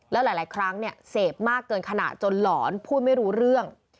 แล้วหลายครั้งเนี่ยเสพมากเกินขณะจนหลอนพูดไม่รู้เรื่อง